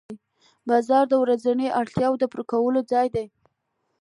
بازار د ورځنیو اړتیاوو د پوره کولو ځای دی